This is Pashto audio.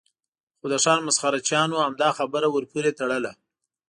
خو د ښار مسخره چیانو همدا خبره ور پورې تړله.